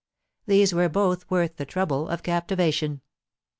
These were both worth the trouble of captivation.